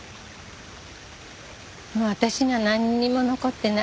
もう私にはなんにも残ってない。